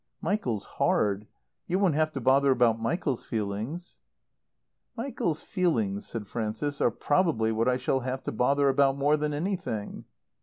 Michael's hard. You won't have to bother about Michael's feelings." "Michael's feelings," said Frances, "are probably what I shall have to bother about more than anything."